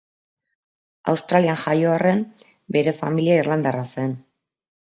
Australian jaio arren, bere familia irlandarra zen.